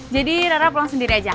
jadi rara pulang sendiri aja